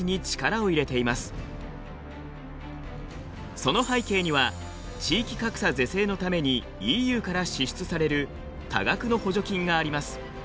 その背景には地域格差是正のためにＥＵから支出される多額の補助金があります。